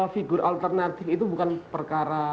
figur alternatif itu bukan perkara